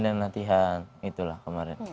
dan latihan itulah kemarin